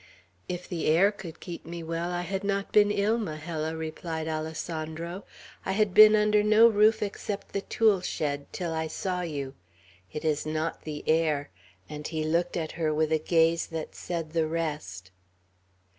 "If the air could keep me well, I had not been ill, Majella," replied Alessandro. "I had been under no roof except the tule shed, till I saw you. It is not the air;" and he looked at her with a gaze that said the rest.